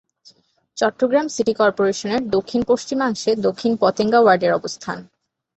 Chittagong city কর্পোরেশনের দক্ষিণ-পশ্চিমাংশে দক্ষিণ পতেঙ্গা ওয়ার্ডের অবস্থান।